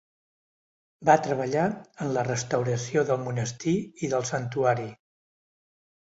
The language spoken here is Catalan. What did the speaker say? Va treballar en la restauració del monestir i del santuari.